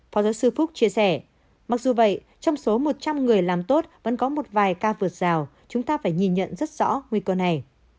phó giáo sư phúc chia sẻ mặc dù vậy trong số một trăm linh người làm tốt vẫn có một vài ca vượt rào chúng ta phải nhìn nhận rất rõ nguy cơ này